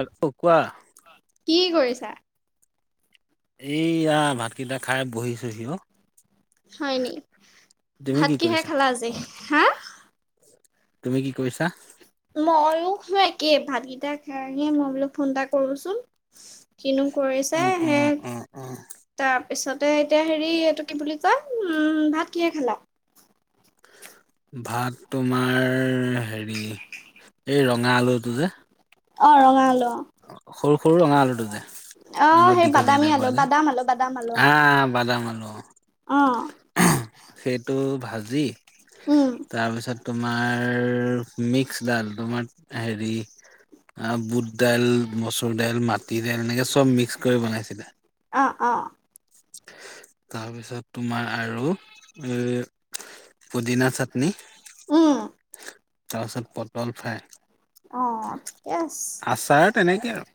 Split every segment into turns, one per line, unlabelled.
আৰু অ কোৱা
কি কৰিছা
এই ইয়া ভাত কেইটা খায় বহিচোহি অঁ
হয় নি ভাত
কি
কিহে
কৰিছা
খালা আজি হা
তুমি কি কৰিছা
[inaudible] মইও একে ভাত কেইটা খায়ে গে মইও ফোন এটা কৰোচোন কিনো
অ
কৰিছে
অ
সেই তাৰ
অ অ
তাৰ পিছতে এতিয়া হেৰি এইটো কি বুলি কয় ভাত কিহে খালা
ভাত তোমাৰ হেৰি এই ৰঙা আলুটো যে
অ ৰঙা আলু
সৰু সৰু ৰঙা আলুটো যে
অ অ
ন
সেই
দীঘ দিয়া
বাদামী
নাই
আলু
পোৱ যে
বাদাম আলু বাদাম আলু অ
আহ বাদাম আনো
অ
সেইটো ভাজি
উম
তাৰপিছত তোমাৰৰ মিক্সডাল তোমাৰ হেৰি আ বুট দাইল মচুৰ দাইল মাটি দাইল এনেকৈ চব মিক্স কৰি বনাইছিলে
অঁ
তাৰ পিছত তোমাৰ আৰু এ পুদিনা চাটনি
উম
তাৰপিছত পটল ফাই
অ ঠিকে আছে
আচাৰ তেনেকে আৰু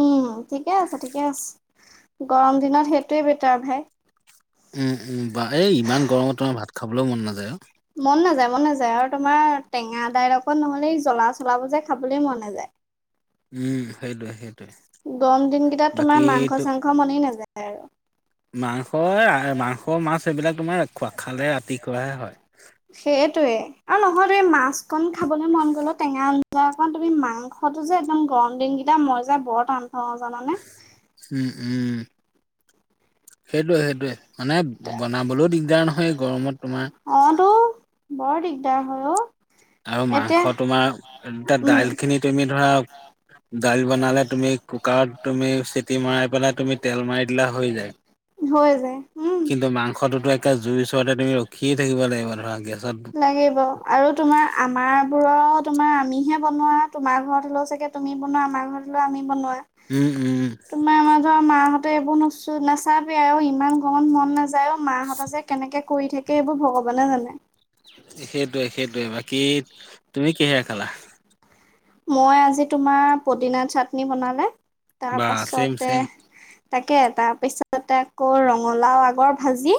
উম ঠিকে আছে ঠিকে আছে গৰম দিনত সেইটোৱে বেটাৰ ভাই
উম উম বা এই ইমান গৰমত তম ভাত খাবলৈও মন নাযায় আৰু
মন নাযায় মন নাযায় আৰু তোমাৰ টেঙা দাইল অকত নহ'লে জ্বলা চলাব যে খাবলৈ মন নাযায়
উম সেইটোোৱয়ে সেইটো
গৰম দিন কেইটাত তোমাৰ মাংস
তো
চাংস মনে নাযায় আৰু
হয় মাংস মাছ এইবিলাক তোমাৰ খোৱা খালে ৰাতি খুৱাহে হয়
য়ে আৰু নহয়তেই মাছ খন খাবলৈ মন গল টেঙা যাক তুমি মাংসটো যে একদম গৰম দিনকেইটা মই যাই বৰ টান থওঁ জানানে
উম সেইটোয়ে সেইটোোৱে মানে বনাবলৈও দিগদাৰ নহয় গৰমত তোমাৰ
অ' তো বৰ দিগদাৰ হয় অ
আৰু
এতিয়া
মাংস তোমাৰ
উম
দাইল খিনি তুমি ধৰা দাইল বনালে তুমি কুকাৰত তুমি চিটি মৰাই পেলাই তুমি তেল মাৰি দিলা হৈ যায়
হয়
কিন্তু মাংসটোতো একে জুই চোৱাতে তুমি ৰখিয়ে থাকিব লাগিব ধৰা গেছত
লাগিব আৰু তোমাৰ আমাৰ বোৰ তোমাৰ আমিহে বনোৱা তোমাৰ ঘৰত হ চাগে তুমি বনোৱা আমাৰ ঘৰত লো আমি বনোৱাাই
উম উম
মাহঁতে এইবোৰ নচো নাচাবি আৰু ইমান গত মন নাযায় অ মাহঁত যে কেনেকে কৰি থাকে এইবোৰ ভগৱানে জানে
সেইটোৱে সেইটয়ে বাকী তুমি কহয়া খালা
মই আজি তোমাৰ পুদিনা চাটনি বনালে তাৰ
বা ছেম
পাছতে
ছেম
তাকে তাৰপিছতে আকৌ ৰঙালাও আগৰ ভাজি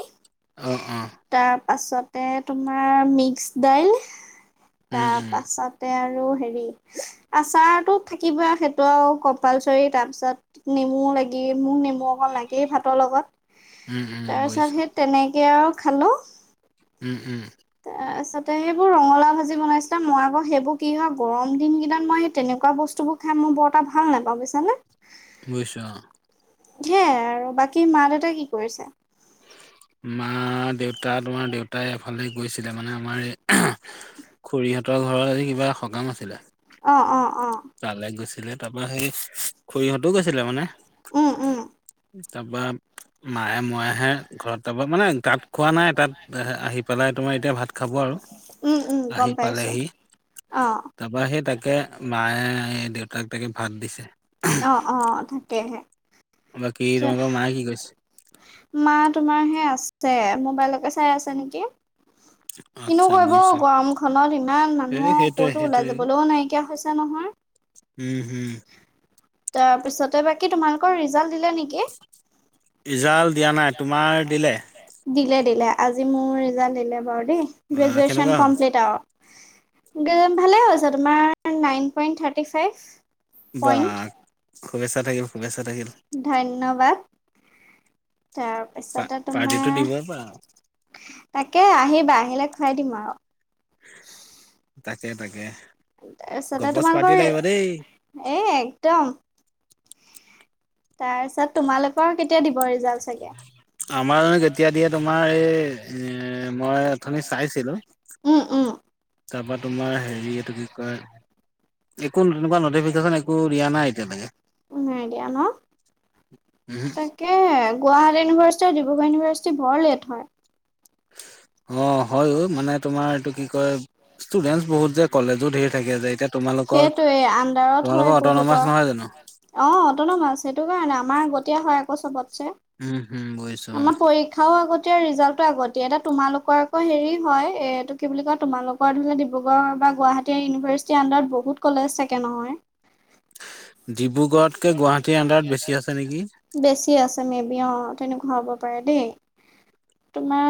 আহ অ
তাৰ পাছতে তোমাৰ মিক্স দাইল
উম উম
তা আৰু হেৰি আচাৰতো থাকিবই আৰু সেইটো আৰু কম্পালচৰি তাৰপিছত নেম লাগে মন নে মোৰ অক লাগেই ভাতৰ লগত
উম উম বুজিছো
তাৰপিছত সেই তেনেকে আৰু খালো
উম উম
ত সেইবোৰ ৰঙলা ভাজি বনাইছিলা মই আকৌ সেইবোৰ কি হয় গৰম দিন কেইিনাত মই সেই তেনেকুৱা বস্তু বোৰ খাম বৰ্তটা ভাল নাপাওঁ বুিছাানে
উছা
হে আৰু বাকী মা দোউতাই কি কৰিছে
মা দেউতা তোমাৰ দেউতাই এফালে গৈছিলে মানে আমাৰ খুৰীহঁতৰ ঘৰত আজি কিবা এটা সকাম আছিলে
অ অ অ
তালে গৈছিলে তাৰ পৰাা সেই খৰিহঁতো গৈছিলে মানে
উম উম
তাৰপৰা মায়ে ময়েহে ঘৰত তপৰা মানে তাত খোৱা নাই তাত আহি পেলাই তোমাৰ এতিয়া ভাত খাব আৰু
উম উম
আহি
গম পাইছো
পালেহি
অ
তাৰপ সি তাকে মায়ে এই দেউতাক তাকে ভাত দিছে
অ অ তাকেহে
বাকী তোমালোকৰ মায়ে কি কৈছে?
মা তোমাৰ হেই আছে। মোবাইলকে চাই আছে নেকি? কিনো
আচ্ছা
কৰিব
বুজিছা।
গৰম খনত ইমান
এই
মানুহ
সেইটোৱে
কৌতো ওলাই
সেইটোৱে।
যাবলৈও নাইকিয়া হৈছে নহয়।
উম হুম।
তাৰপিছতে বাকী তোমালোকৰ ৰিজাল্ট দিলে নেকি?
ৰিজাল্ট দিয়া নাই, তোমাৰ দিলে?
দিলে-দিলে, আজি মোৰ ৰিজাল্ট দিলে বাৰু দেই,
বা
গ্ৰেজুৱেশ্যন
কেনেকুৱা হ'ল?
কমপ্লিট আৰু। গে ভালেই হৈছে তোমাৰ নাইন পইন্ট থাৰ্টি ফাইভ।
বা
পইণ্ট
শুভেচ্ছা থাকিল শুভে
ধন্যবাদ।
পা
তাৰপিছতে
পাৰ্টিটো
তোমাৰ,
দিবই পাৰা।
তাকে আহিবা আহিলে খুৱাই দিম আৰু।
তাকে, তাকে।
তাৰপিছতে
গপচ পাৰ্টি
তোমালোকৰ,
লাগিব দেই।
এ একদম। তাৰপিছত তোমালোকৰ কেতিয়া দিব ৰিজাল্ট চাগে?
আমাৰ জানো কেতিয়া দিয়ে তোমাৰ এই এ মই অথনি চাইছিলো।
উম, উ [inaudible]
তাৰপা তোমাৰ হেৰি এইটো কি কয় একো নেকুৱা নটিফিকেচন একো দিয়া নাই এতিয়ালৈকে।
নাই দিয়া ন
উহু।
তাকে, গুৱাহাটী ইউনিভাৰ্চিটি আৰু ডিব্ৰুগড় ইউনিভাৰ্চিটি বৰ লেট হয়।
অ, হয়ো মানে তোমাৰ এইটো কি কয়, ষ্টুডেন্টচ বহুত যে কলেজো ঢেৰ থাকে যে, এতিয়া তোমালোকৰ
সেইটোৱে আণ্ডাৰত হয়
তোমালোকৰ অটনমাছ
বহুতৰ
নহয় জানো?
অ, অটনমাছ সেইটো কাৰণে আমাৰ আগতিয়া হয় আকৌ চবতছে।
উম। হুম, বুজিছোঁ
আমাৰ
অ'।
পৰীক্ষাও আগত দিয়ে, এতিয়া ৰিজাল্টটো আগত দিয়ে, এতিয়া তোমালোকৰ আকৌ হেৰি হয়, এইটো কি বুলি কয় তোমালোকৰ ধৰি লও ডিব্ৰুগড়ৰ গুৱাহাটী ইউনিভাৰ্চিটিৰ আন্দাৰত বহুত কলেজ থাকে নহয়।
ডিব্ৰুগড়তকে গুৱাহাটীৰ আণ্ডাৰত বেছি আছে নেকি?
বেছি আছে মেবি অ। তেনেকুৱা হ'ব পাৰে দেই, তোমাৰ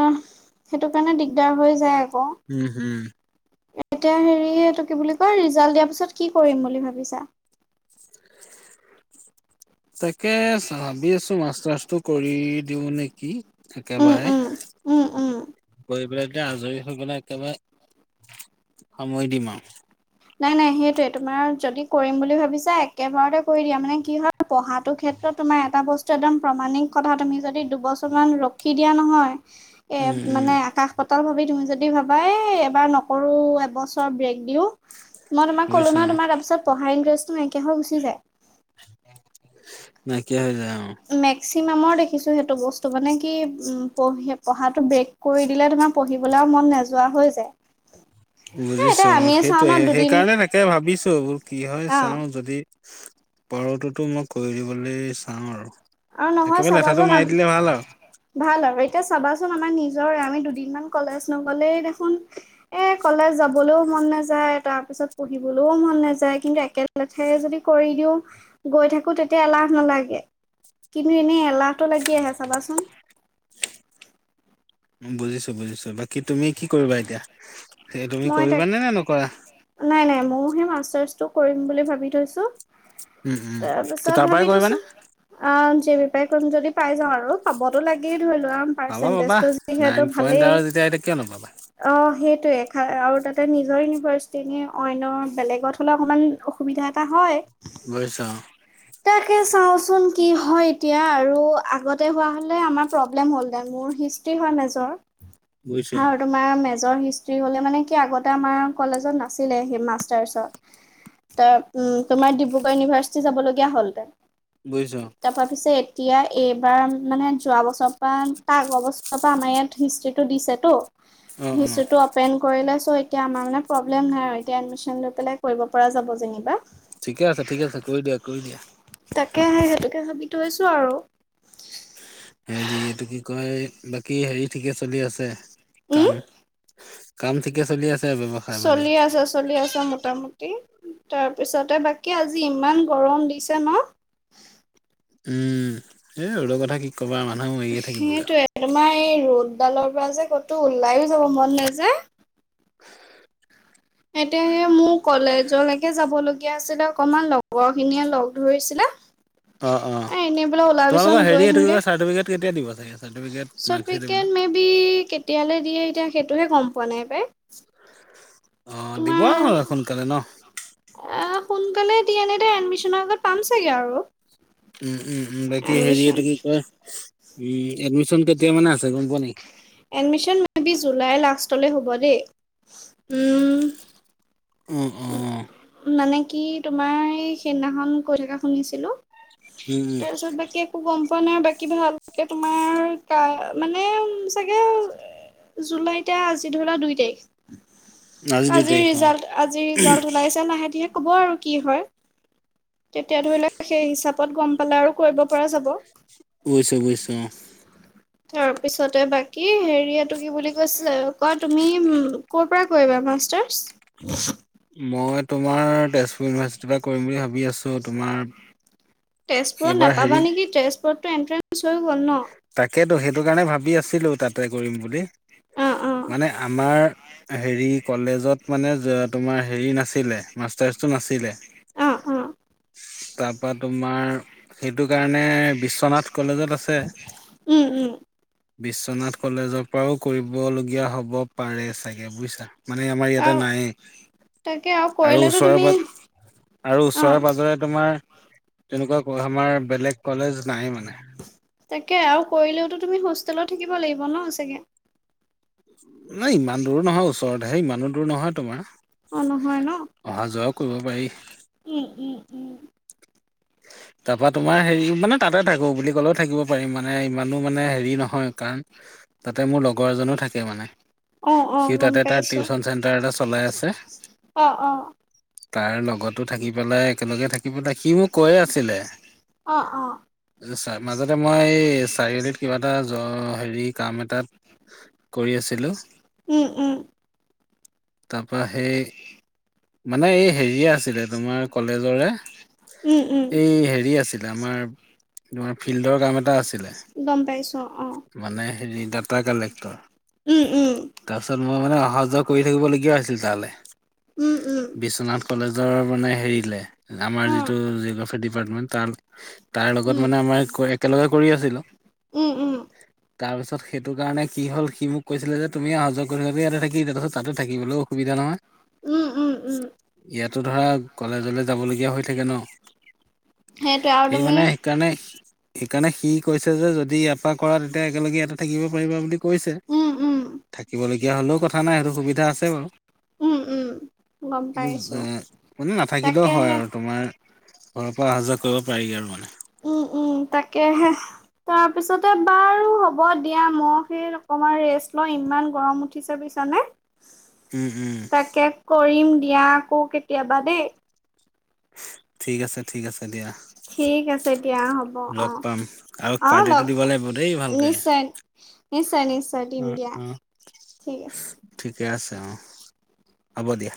সেইটো কাৰণে দিগদাৰ হৈ যায়। আকৌ
উম, হম।
এতিয়া হেৰি এইটো কি বুলি কয় ৰিজাল্ট দিয়াৰ পিছত কি কৰিম বুলি ভাবিছা? [inaudible]
তাকে ভাবি আছোঁ মাষ্টাৰ্ছটো কৰি দিও নেকি?
উম
একেবাৰে,
উম উম উম।
কৰি এতিয়া আজৰি হৈ গ'লে একেবাৰে সামৰি দিম আৰু।
নাই, নাই, সেইটোৱে তোমাৰ যদি কৰিম বুলি ভাবিছা, একেবাৰতে কৰি দিয়া মানে কি হয় পঢ়াটো ক্ষেত্ৰত তোমাৰ এটা বস্তু একদম প্ৰমাণিক কথা তুমি যদি দুবছৰমান ৰখি দিয়া নহয়
উম,
এ
উম,
মানে আকাশ-পাতাল ভাবি তুমি যদি ভাবা এ এবাৰ নকৰো, এবছৰ ব্ৰেক দিওঁ মই তোমাক ক'লো
বুজিছোঁ
নহয়
অ'।
তোমাৰ পিছত পঢ়া ইণ্টাৰেষ্টটো নাইকিয়া হৈ গুচি যায়।
নাইকিয়া হৈ যায়। অ'।
মেক্সিমামৰ দেখিছোঁ সেইটো বস তু মানে কি উ পঢ়ি পঢ়াটো ব্ৰেক কৰি দিলে তোমাৰ পঢ়িবলৈ আৰু মন নেযোৱা হৈ যায়। [inaudible] এ এতিয়া
বুজিছোঁ
আমিয়ে চাও
সেইটোৱে,
ন দুদিন
সেইকাৰণে তাকে ভাবিছোঁ কি হয়
অ
চাও যদি পঢ়াটোতো মই কৰি দিবলৈ চাম আৰু
আৰু নহয়
একেবাৰে লেঠাটো
চাবাচোন,
মাৰি দিলে ভাল আৰু।
ভাল আৰু এতিয়া চাবাচোন আমাৰ নিজৰে, আমি দুদিন মান কলেজ নগলেই দেখোন এ কলেজ যাবলৈও মন নাযায় তাৰ পিছত পঢ়িবলৈও মন নাযায়, কিন্তু একেলেথাৰিয়ে যদি কৰি দিও, গৈ থাকোঁ তেতিয়া এলাহ নালাগে। কিন্তু এনে এলাহটো লাগি আহে চাবাচোন।
বুজিছো-বুজিছো বাকী তুমি কি কৰিবা এতিয়া? সেই তুমি
মই তাক,
কৰিবানে নে নে নকৰা?
নাই-নাই মইও সেই মাষ্টাৰ্ছটো কৰিম বুলি ভাবি থৈছো।
উম, উম, ত'
তাৰপাছত
তাৰ পৰাই
ভাবি থৈছো,
কৰিবানে?
আহ কৰিম যদি পাই যাওঁ আৰু, পাবতো লাগি লম
পাবা পাবা
পাৰ্চেন্টেজটো যিহেতু
নাইন পইণ্ট
ভালেই
আৰু যেতিয়া এতিয়া কিয় নাপাবা।
অ‌ সেইতু আৰু তাতে নিজৰ ইউনিভাৰ্চিটিনে, অইনৰ বেলেগত হ'লে অকণমান অসুবিধা এটা হয়।
লৈছা।
তাকে চাওঁচোন কি হয় এতিয়া আৰু আগতে হোৱা হলে আমাৰ প্ৰব্লেম হ'ল দে মোৰ হয় মেজৰ
বুজিছোঁ অ',
আৰু তোমাৰ মেজৰ হ'লে মানে কি আগতে আমাৰ কলেজত নাছিলে সেই মাষ্টাৰ্চত। ত উম তোমাৰ ডিব্ৰুগড় ইউনিভাৰ্চিটি যাবলগীয়া হলহেতেন।
বুজিছো।
তাৰপৰা পিছে এতিয়া এইবাৰ মানে যোৱা বছৰৰ পৰা তাৰ আগৰ বছৰৰ পৰা আমাৰ ইয়াত হিষ্ট্ৰ্ৰীটো দিছেতো।
অ', অ',
[unintelligible] টো কৰি লৈ চো এতিয়া আমাৰ মানে প্ৰব্লেম নাই আৰু এতিয়া এডমিশ্যন লৈ পেলাই কৰিব পৰা যাব যেনিবা।
ঠিকে আছে ঠিকে আছে কৰি দিয়া কৰি দিয়া।
তে ভাবি থৈছো আৰু।
হেৰি এইটো কি কয় বাকী হেৰি ঠিকে চলি আছে কাম।
উম
কাম ঠিকে চলি আছে। ব্যৱসায়
চলি
বাণিজ্য।
আছা চলি আছা মোটামুটি। তাৰপিছতে বাকী আজি ইমান গৰম দিছে ন।
উম এ ৰদৰ কথা কি ক।
সেইটোে তোমাৰ এই ৰ'দ ডালৰ পৰা যে ক'তো ওলাইো যাব মন নাযায়। এতিয়াহে মোৰ কলেজলৈকে যাব লগগীয়া আছিলে। অকমান লগৰ খিনিয়ে লগ ধৰিছিলে।
অ অ।
এ এনেই বোলে ওলাবিচোন
তোমালোকৰ
গৈ
হেৰি এইটো
আহিমগে।
চাৰ্টিফিকেট কেতিয়া দিব চাগে চাৰ্টিফিকেট মাৰ্কশ্বিট এইবিলাক।
তিয়ালৈ দিয়ে এতিয়া সেইটোহে গম পোৱা নাই পাই।
অ দিব
তোমাৰ
হ সোনকালে ন।
আহ সোনকালে এ দিয়ে নিদে এডমিচনৰ আগত পাম চাগে আৰু।
উম উম উম বাকী হেৰি
এডমিশন
এইটো কি কয় উম এডমিশন কেতিয়া মানে আছে গম পোৱা নেকি?
এডমিশন মে বি জুলাই লাষ্টলৈ হ'ব দেই। উম
উম, উম, উম,
মানে। কি তোমাৰ এই সেইদিনাখন কৈ থকা শুনিছিলো
উম
তাৰপিছত বাকী একো গম মানে বাকী ভালকে তোমাৰ ক মানে চাগে, জুলাইতে আজি ধৰা দুই তাৰিখ।
আজি দুই তাৰিখ অ।
আজি ৰিজাল্ট ওলাইছে লাহে লাহে ক'ব আৰু কি হয়। তেতিয়া ধৰি লও সেই হিচাপত গম পালে আৰু কৰিব পৰা যাব।
অৱশ্যে অৱশ্যে অ।
তাৰ পিছতে বাকি হেৰিয়টো কি বুলি কৈছে কোৱা তুমি কৰ' পৰা কৰিবা মাষ্টাৰ্ছ।
মই তোমাৰ তেজপুৰ ইউনিভাৰ্চিটিৰ পৰা কৰিম বুলি ভাবি আছো তোমাৰ
তেজপুৰত
এইবাৰ
নাপাবা নেকি তেজপুৰতটো এণ্ট্ৰেন্
তাকেইেতো সেইটো কাৰণে ভাবি আছিলো তাতে কৰিম বুলি।
অ', অ',
মানে আমাৰ হেৰি কলেজত মানে তোমাৰ হেৰি নাছিলে মাষ্টাৰ্চটো নাছিলে ত
অ', অ',
তাৰপৰা তোমাৰ সেইটো কাৰণে বিশ্বনাথ কলেজত আছে।
উম, উম,
বিশ্বনাথ কলেজক পৰাও কৰিবলীয়া হব পাৰে চাগে বুজিছা মানে আমাৰ ইয়াতে
আৰু
নাইয়ে।
তাকে
আৰু
কৰিলেতো
ওচৰেৰে
তুমি
প আৰু
অ',
ওচৰেৰে পাজৰে তোমাৰ তেনেকুৱা ক আমাৰ বেলেগ কলেজ নাই মানে।
তাকে আৰু কৰিলেওতো তুমি হোষ্টেলত থাকিব লাগিব ন চাগে।
নাই ইমান দূৰো নহয় ওচৰতহে ইমানো দূৰ নহয় তোমাৰ
অ', নহয় ন?
অহা যোৱাও কৰিব পাৰি
উম, উম, উম, [inaudible]
তাৰপৰা তোমাৰ হেৰি মানে তাতে থাকো বুলি কলেও থাকিব পাৰিম মানে ইমানো মানে হেৰি নহয় কাৰণ তাতে মোৰ লগৰ এজনো থাকে মানে
অ',
সি
অ', গম
তাতে তাৰ
পাইছোঁ।
টিউচন চেণ্টাৰ চলাই আছে
অ', অ',
তাৰ লগতো থাকি পেলাই একেলগে থাকি পেলাই সিও কৈ আছিলে
অ', অ',
ছাৰ মাজতে মই চাৰিআলিত কিবা এটা হেৰি কাম এটাত কৰি আছিলো
উম, উম
তাৰপা সেই মানে এই হেৰিয়ে আছিলে তোমাৰ কলেজৰে
উম উম,
এই হেৰি আছিল আমাৰ তোমাৰ ফিল্ডৰ কাম এটা আছিল
গম পাইছো অ',
হেৰি ডাটা কালেক্টৰ
উম, উম,
তাৰপিছত মই মানে অহা যোৱা কৰি থাকিবলগীয়া হৈছিল তালৈ
উম, উম,
বিশ্বনাথ কলেজৰ মানে হেৰিলে আমাৰ
অ',
যিটো জিঅগ্ৰাফি ডিপাৰ্টমেণ্ট তাৰ তাৰ লগত
উম।
মানে আমাৰ একেলগে কৰি আছিলো
উম, উম,
তাৰপিছত সেইটো কাৰণে কি হ'ল সি মোক কৈছিলে যে তুমি অহা যোৱা কৰি থ ইয়াতে থাকি তাৰপিছত তাতে থাকিবলৈও অসুবিধান
উম, উম, উম,
নহয় ইয়াতো ধৰা কলেজলে যাবলগীয়া হৈ থাকে ন
সেইটোৱে আৰু
সেই
তুমি
মানে সেইকাৰণে সেইকাৰণে সি কৈছে যে যদি আপাক কৰা তেতিয়া একেলগে এটা থাকিব পাৰিবা বুলি কৈছে
উম, উম,
থাকিবলগীয়া হলেও কথা কথা নাই সেইটো সুবিধা আছে বাৰু
উম, উম, গম
কিন্তু এ
পাইছোঁ
মানে নাথাকিলেও হয়
তাকেহে
আৰু তোমাৰ ঘৰৰ পৰা অহা যোৱা কৰিব পাৰি আৰু মানে।
উম, উম তাকে তাৰ তাৰপিছতে বাৰু হ'ব দিয়া ম সেই অকণমান ৰেষ্ট লওঁ ইমান গৰম উঠিছে বুজিছানে
উম, উম,
তাকে কৰিম দিয়া আকৌ কেতিয়াবা দেই
ঠিক আছে, ঠিক আছে দিয়া
ঠিক আছে, দিয়া হ'ব
লগ
অ',
পাম আৰু
অ',
পাৰ্টিটো
লগ
দিব
পাম
লাগিব দেই ভালকে।
নিশ্চয় নিশ্চয়, নিশ্চয় দিম
অ',
দিয়া
অ',
ঠিক আছে।
ঠিকে আছে অ', হ'ব দিয়া